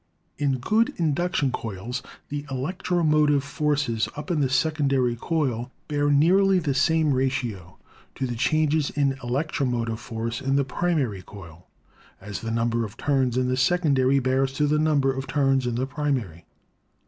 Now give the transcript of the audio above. In good induc tion coils the electro motive forces up in the secondary coil bear nearly the same ratio to the changes in electro motive force in the primary coil as the number of turns in the secondary bears to the number of turns in the primary.